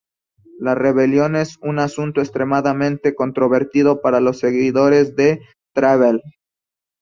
La Rebelión es un asunto extremadamente controvertido para los seguidores de "Traveller".